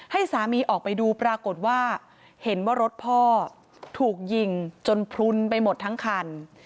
ให้สามีออกไปดูปรากฏว่าเห็นว่ารถพ่อถูกยิงจนพลุนไปหมดทั้งคัน